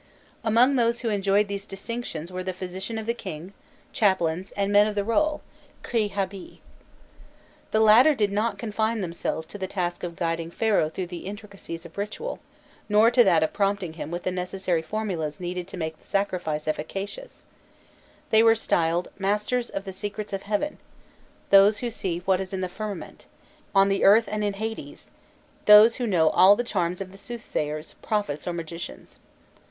Among those who enjoyed these distinctions were the physicians of the king, chaplains, and men of the roll "khri habi." The latter did not confine themselves to the task of guiding Pharaoh through the intricacies of ritual, nor to that of prompting him with the necessary formulas needed to make the sacrifice efficacious; they were styled "Masters of the Secrets of Heaven," those who see what is in the firmament, on the earth and in Hades, those who know all the charms of the soothsayers, prophets, or magicians.